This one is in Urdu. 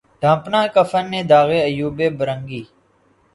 ڈھانپا کفن نے داغِ عیوبِ برہنگی